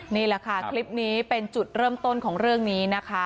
นี่แหละค่ะคลิปนี้เป็นจุดเริ่มต้นของเรื่องนี้นะคะ